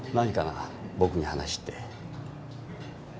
僕に話って。